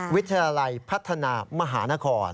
วิทยาลัยพัฒนามหานคร